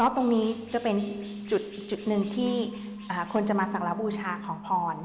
ตรงนี้จะเป็นจุดหนึ่งที่คนจะมาสักบูชาขอพร